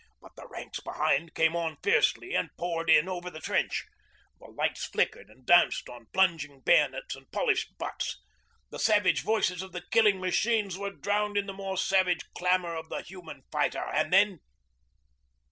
But the ranks behind came on fiercely and poured in over the trench; the lights flickered and danced on plunging bayonets and polished butts; the savage voices of the killing machines were drowned in the more savage clamour of the human fighter, and then